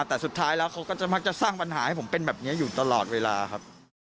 แต่สุดท้ายแล้วเขาก็จะมักจะสร้างปัญหาให้ผมเป็นแบบนี้อยู่ตลอดเวลาครับ